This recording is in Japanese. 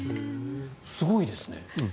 すごいですね。